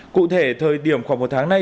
cụ thể thời điểm khoảng một tháng nay